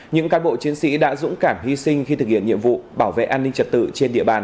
những cán bộ chiến sĩ đã dũng cảm hy sinh khi thực hiện nhiệm vụ bảo vệ an ninh trật tự trên địa bàn